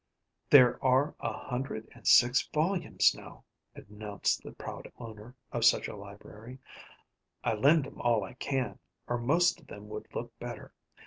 "There are a hundred and six volumes now," announced the proud owner of such a library. "I lend 'em all I can, or most of them would look better.